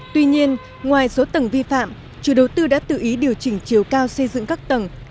tuy nhiên ngoài số tầng vi phạm chủ đầu tư đã tự ý điều chỉnh chiều cao xây dựng các tầng